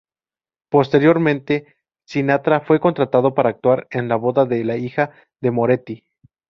Posteriormente, Sinatra fue contratado para actuar en la boda de la hija de Moretti.